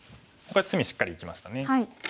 これ隅しっかり生きましたね。